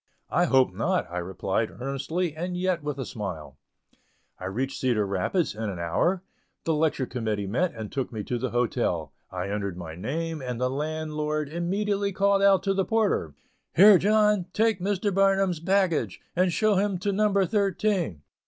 "I hope not!" I replied earnestly, and yet with a smile. I reached Cedar Rapids in an hour. The lecture committee met and took me to the hotel. I entered my name, and the landlord immediately called out to the porter: "Here John, take Mr. Barnum's baggage, and show him to 'number thirteen!